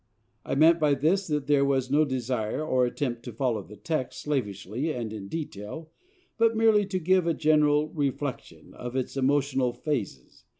I meant by this that there was no desire or attempt to follow the text, slavishly and in detail, but merely to give a general reflection of its emotional phases.